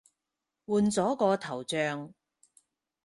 換咗個頭像